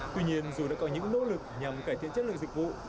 tuy nhiên dù đã có những nỗ lực nhằm cải thiện chất lượng dịch vụ